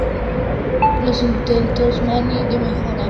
Los intentos de Manny de mejorar la tienda y la residencia a menudo fracasan.